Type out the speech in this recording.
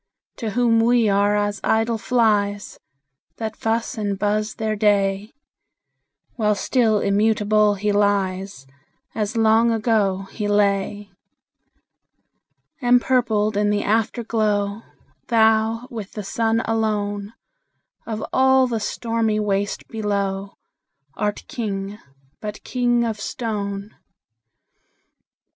To whom we are as idle flies, That fuss and buzz their day; While still immutable he lies, As long ago he lay. Empurpled in the Afterglow, Thou, with the Sun alone, Of all the stormy waste below, Art King, but king of stone!